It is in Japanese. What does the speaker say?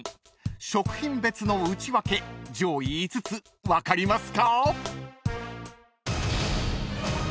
［食品別のウチワケ上位５つ分かりますか？］